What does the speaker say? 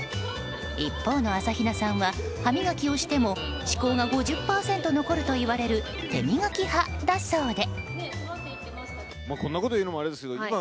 一方の朝比奈さんは歯磨きをしても歯垢が５０％残るといわれる手磨き派だそうで。